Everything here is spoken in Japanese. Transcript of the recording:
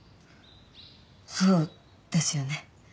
そうですよね。